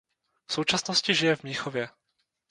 V současnosti žije v Mnichově.